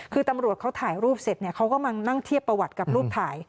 คือตำรวจเขาถ่ายรูปเสร็จเนี่ยเขาก็มานั่งเทียบประวัติกับรูปถ่าย